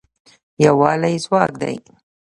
یووالی ځواک دی